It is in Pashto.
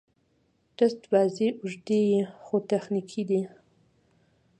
ټېسټ بازي اوږدې يي، خو تخنیکي دي.